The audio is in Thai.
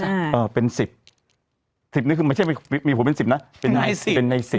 อ่าเอ่อเป็นสิบสิบนี่คือไม่ใช่มีมีผลเป็นสิบนะเป็นในสิบเป็นในสิบ